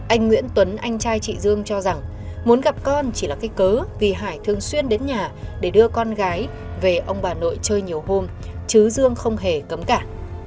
anh nguyễn tuấn anh trai chị dương cho rằng muốn gặp con chỉ là cái cớ vì hải thường xuyên đến nhà để đưa con gái về ông bà nội chơi nhiều hôm chứ dương không hề cấm cả